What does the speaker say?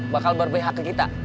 bakal berbagi hak ke kita